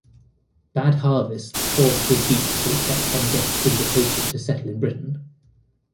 Bad harvests force the Jutes to accept Hengest's invitation to settle in Britain.